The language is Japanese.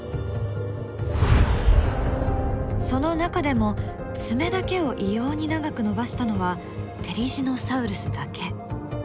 その中でも爪だけを異様に長く伸ばしたのはテリジノサウルスだけ。